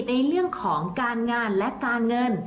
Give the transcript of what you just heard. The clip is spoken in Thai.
ในเรื่องของการงานและการเงิน